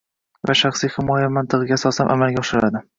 va shaxsiy himoya mantig‘iga asoslanib amalga oshiradi